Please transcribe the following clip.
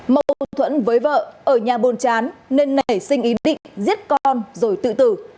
mâu thuẫn với vợ ở nhà bồn chán nên nảy sinh ý định giết con rồi tự tử